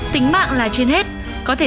tính mạng là trên hết có thể